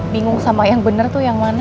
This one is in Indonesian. bingung sama yang benar tuh yang mana